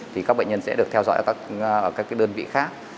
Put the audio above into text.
thì các bệnh nhân sẽ được theo dõi ở các đơn vị khác